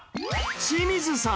清水さん